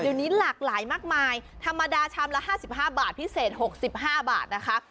เดี๋ยวนี้หลากหลายมากมายธรรมดาชามละ๕๕บาทพิเศษ๖๕บาทนะคะ